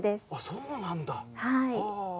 そうなんだ、はぁ。